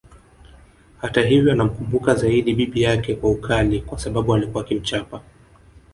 Hata hivyo anamkumbuka zaidi bibi yake kwa ukali kwa sababu alikuwa akimchapa